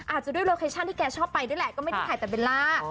อาจจะด้วยโลเคชั่นที่แกชอบไปด้วยแหละก็ไม่ได้ถ่ายแต่เบลล่า